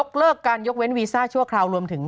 โหยวายโหยวายโหยวายโหยวาย